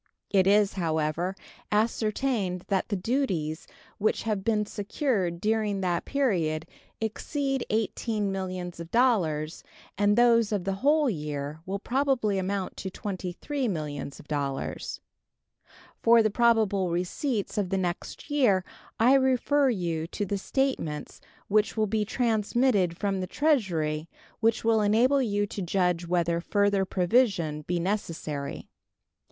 It is, however, ascertained that the duties which have been secured during that period exceed $18 millions, and those of the whole year will probably amount to $23 millions. For the probable receipts of the next year I refer you to the statements which will be transmitted from the Treasury, which will enable you to judge whether further provision be necessary.